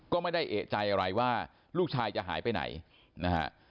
ก็ไม่ได้เอกใจอะไรว่าลูกชายจะหายไปไหนนะฮะ